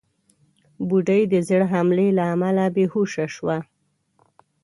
بوډۍ د زړه حملې له امله بېهوشه شوه.